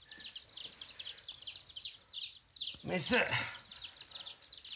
メス。